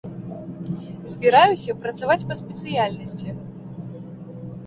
Збіраюся працаваць па спецыяльнасці.